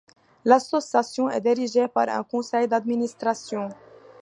L'association est dirigée par un conseil d'administration.